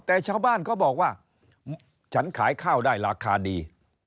แต่ชาวบ้านเขาบอกว่าฉันขายข้าวได้ราคาดี